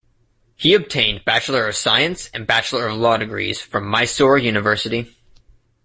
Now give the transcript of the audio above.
He obtained Bachelor of Science and Bachelor of Law degrees from Mysore University.